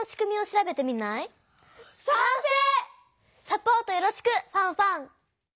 サポートよろしくファンファン！